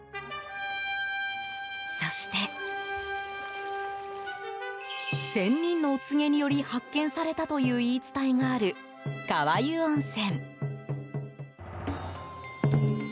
そして、仙人のお告げにより発見されたという言い伝えがある川湯温泉。